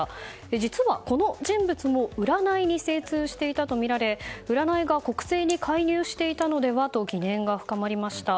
実は、この人物も占いに精通していたとみられ占いが国政に介入していたのではと疑念が深まりました。